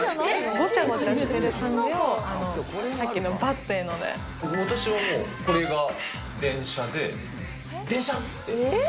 ごちゃごちゃしてる感じを、私はもうこれが電車で、電車！って。